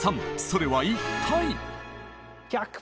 それは一体？